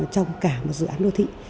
trong cả một dự án đô thị